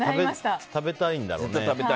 食べたいんだね。